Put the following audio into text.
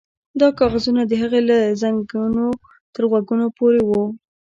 دا کاغذونه د هغې له زنګنو تر غوږونو پورې وو